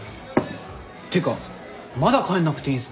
ていうかまだ帰んなくていいんすか？